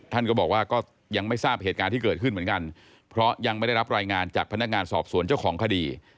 ท่านก็บอกว่าก็ยังไม่ทราบเหตุการณ์ที่เกิดขึ้นเหมือนกันเพราะยังไม่ได้รับรายงานจากพนักงานสอบสวนเจ้าของคดี